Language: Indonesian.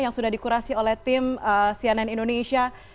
yang sudah di kurasi oleh tim cnn indonesia